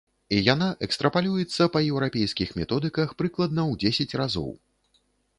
І яна экстрапалюецца па еўрапейскіх методыках прыкладна ў дзесяць разоў.